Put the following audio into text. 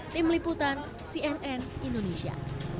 tim liputan cnn indonesia